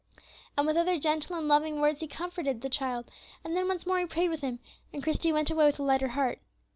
And with other gentle and loving words he comforted the child, and then once more he prayed with him, and Christie went away with a lighter heart.